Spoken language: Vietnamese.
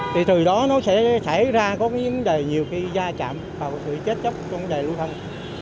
thì từ đó nó sẽ xảy ra có những vấn đề nhiều khi da chạm và có thể chết chóc trong vấn đề lưu thông